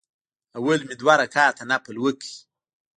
اول مې دوه رکعته نفل وکړ.